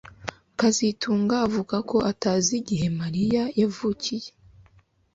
kazitunga avuga ko atazi igihe Mariya yavukiye